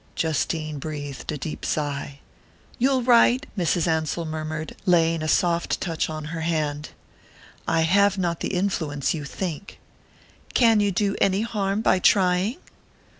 Justine breathed a deep sigh. "You'll write?" Mrs. Ansell murmured, laying a soft touch on her hand. "I have not the influence you think " "Can you do any harm by trying?"